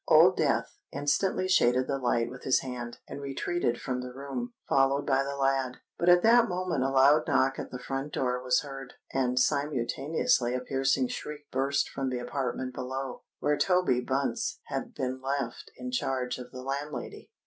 Old Death instantly shaded the light with his hand, and retreated from the room, followed by the lad. But at that moment a loud knock at the front door was heard; and simultaneously a piercing shriek burst from the apartment below, where Toby Bunce had been left in charge of the landlady.